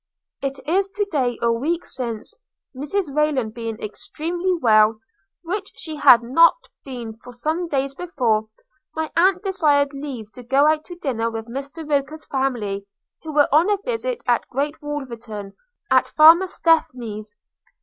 'It is to day a week since, Mrs Rayland being extremely well, which she had not been for some days before, my aunt desired leave to go out to dinner with Mr Roker's family, who were on a visit at Great Wolverton, at farmer Stepney's.